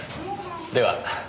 では。